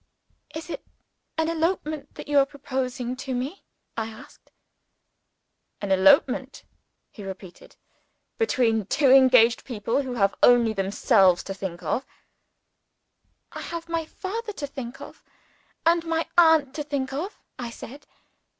"Is it an elopement that you are proposing to me?" I asked. "An elopement!" he repeated. "Between two engaged people who have only themselves to think of." "I have my father to think of; and my aunt to think of," I said.